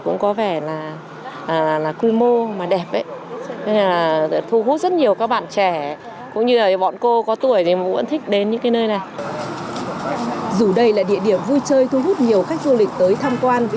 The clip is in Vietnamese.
dù đây là địa điểm vui chơi thu hút nhiều khách du lịch tới tham quan